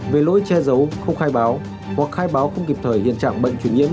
về lỗi che giấu không khai báo hoặc khai báo không kịp thời hiện trạng bệnh chuyển nhiễm